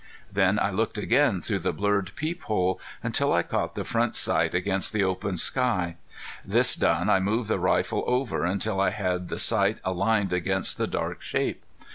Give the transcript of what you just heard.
Then I looked again through the blurred peep sight until I caught the front sight against the open sky. This done I moved the rifle over until I had the sight aligned against the dark shape.